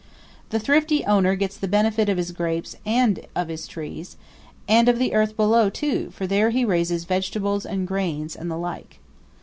The thrifty owner gets the benefit of his grapes and of his trees, and of the earth below, too, for there he raises vegetables and grains, and the like.